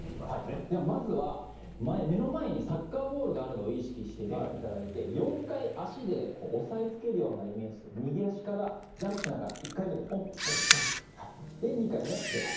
まずは目の前にサッカーボールがあるのを意識していただいて４回、足で押さえつけるイメージで右足からジャンプしながら。